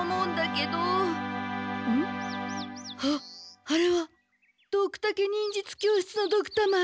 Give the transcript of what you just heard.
ああれはドクタケ忍術教室のドクたま。